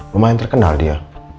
lumayan terkenal dia